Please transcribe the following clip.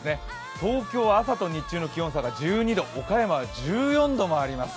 東京は朝と日中との気温差が１２度、岡山は１４度もあります。